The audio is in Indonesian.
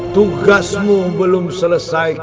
tugasmu belum selesai kian santang